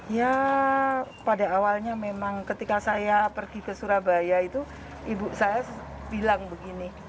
ya pada awalnya memang ketika saya pergi ke surabaya itu ibu saya bilang begini